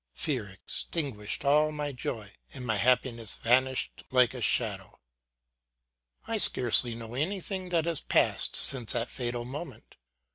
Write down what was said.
Fear extinguished all my joy, and my happiness vanished like a shadow. I scarce know anything that has passed since that fatal moment.